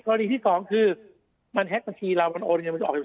กรณีที่สองคือมันแฮกตัวทีเรามันโอนเงินมันออกไปตัว